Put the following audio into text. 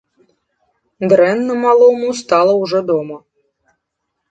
Дрэнна малому стала ўжо дома.